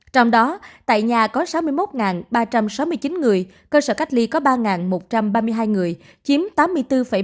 trong đó tại nhà có sáu mươi một ba trăm sáu mươi chín người cơ sở cách ly có ba một trăm ba mươi hai người chiếm tám mươi bốn ba mươi